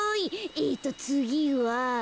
えっとつぎは。